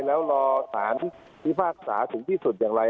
แล้วรอสารพิพากษาถึงที่สุดอย่างไร